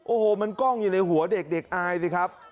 โอ้โหมันกล้องอยู่ในหัวเด็กเด็กอายสิครับ